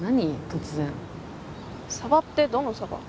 突然サバってどのサバ？